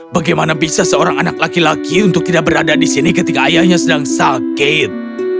bagaimana bisa seorang anak laki laki untuk tidak berada di sini ketika ayahnya sedang sakit